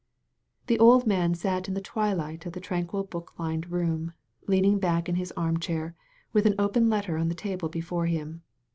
The old man sat in the twilight of the tranquil book lined room, leaning back in his armchair, with an open letter on the table before him.